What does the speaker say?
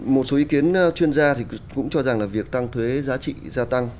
một số ý kiến chuyên gia thì cũng cho rằng là việc tăng thuế giá trị gia tăng